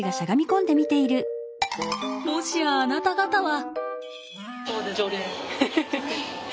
もしやあなた方は。